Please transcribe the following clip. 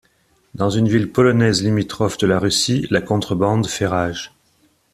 Dans une ville polonaise limitrophe de la Russie, la contrebande fait rage.